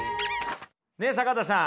ねえ坂田さん